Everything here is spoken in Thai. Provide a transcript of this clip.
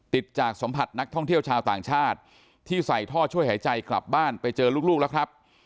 ติดจากสัมผัสนักท่องเที่ยวชาวต่างชาติที่ใส่ท่อช่วยหายใจกลับบ้านไปเจอลูกแล้วครับ